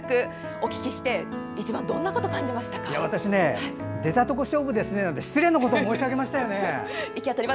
お聞きして私、出たとこ勝負ですねだなんて失礼なことを申し上げましたよね。